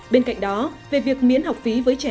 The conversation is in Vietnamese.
bên cạnh đó về việc miễn học phí với trẻ